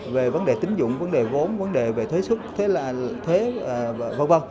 về vấn đề tính dụng vấn đề vốn vấn đề về thuế xuất thuế v v